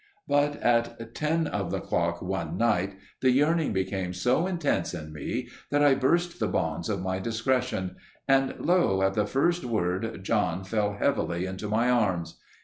But at ten of the clock one night the yearning became so intense in me that I burst the bonds of my discretion, and lo! at the first word John fell heavily into my arms.